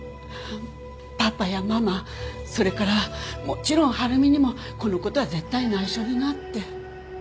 パパやママそれからもちろん晴美にもこの事は絶対内緒になって。